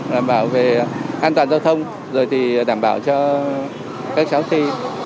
đảm bảo về an toàn giao thông rồi thì đảm bảo cho các cháu thi